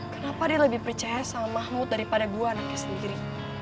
kenapa dia lebih percaya sama mahmud daripada gue anaknya sendiri